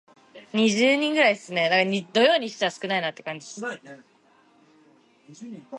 The text then delves into the different types of business communication.